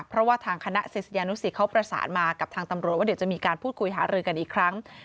เพราะว่าทางคณะศิษยานุสิตเขาประสานมากับทางตำรวจว่าเดี๋ยวจะมีการพูดคุยหารือกันอีกครั้ง